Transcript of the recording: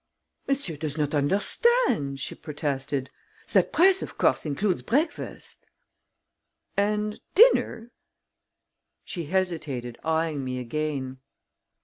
"Monsieur does not understand," she protested. "That price, of course, includes breakfast." "And dinner?" She hesitated, eying me again.